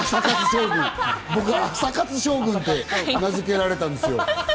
僕、朝活将軍って名付けられたんですよ。